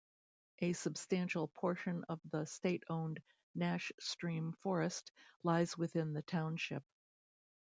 A substantial portion of the state-owned Nash Stream Forest lies within the township.